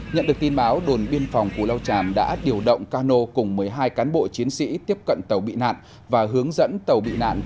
nhận được tin báo đồn biên phòng cù lao tràm đã điều động cano cùng một mươi hai cán bộ chiến sĩ tiếp cận tàu bị nạn và hướng dẫn tàu bị nạn chạy vào khu vực bãi bìm cù lao tràm an toàn